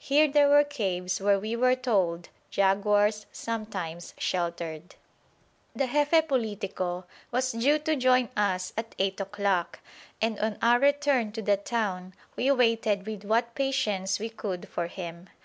Here there were caves where we were told jaguars sometimes sheltered. The Jefe Politico was due to join us at eight o'clock, and on our return to the town we waited with what patience we could for him.